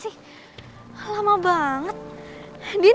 tidak ada yang bisa dikira